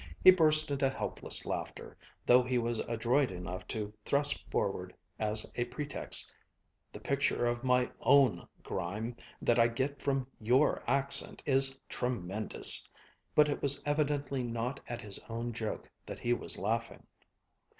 He burst into helpless laughter, though he was adroit enough to thrust forward as a pretext, "The picture of my own grime that I get from your accent is tremendous!" But it was evidently not at his own joke that he was laughing.